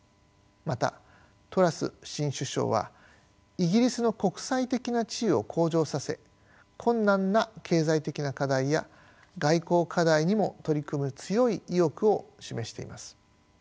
またトラス新首相はイギリスの国際的な地位を向上させ困難な経済的な課題や外交課題にも取り組む強い意欲を示しています。